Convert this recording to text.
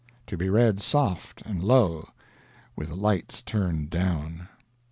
(To be read soft and low, with the lights turned down.)